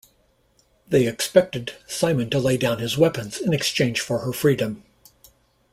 They expected Simon to lay down his weapons in exchange for her freedom.